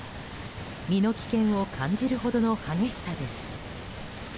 身の危険を感じるほどの激しさです。